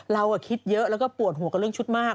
เราคิดเยอะแล้วก็ปวดหัวกับเรื่องชุดมาก